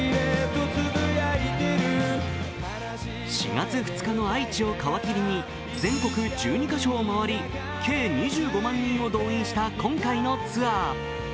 ４月２日の愛知を皮切りに、全国１２か所を回り、計２５万人を動員した今回のツアー。